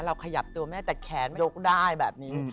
เราขยับตัวไม่ได้แต่แขนยกได้แบบนี้